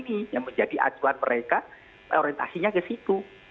ini yang menjadi acuan mereka orientasinya ke situ